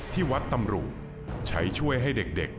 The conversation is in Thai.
ที่วัดตำรุใช้ช่วยให้เด็ก